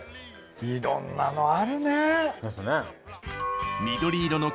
いろんなのあるね！ですね。